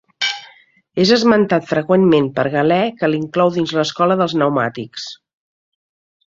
És esmentat freqüentment per Galè que l'inclou dins l'escola dels pneumàtics.